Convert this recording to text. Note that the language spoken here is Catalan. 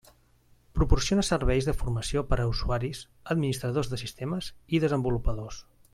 Proporciona serveis de formació per a usuaris, administradors de sistemes i desenvolupadors.